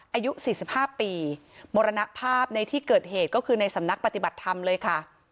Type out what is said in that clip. อายุ๔๕ปีมรณภาพในที่เกิดเหตุก็คือในสำนักปฏิบัติธรรมเลยค่ะ